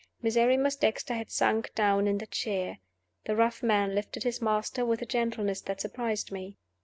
Miserrimus Dexter had sunk down in the chair. The rough man lifted his master with a gentleness that surprised me.